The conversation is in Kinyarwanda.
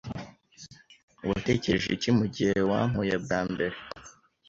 Watekereje iki mugihe wampuye bwa mbere?